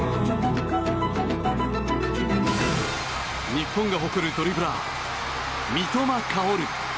日本が誇るドリブラー三笘薫。